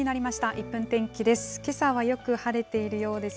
１分天気です。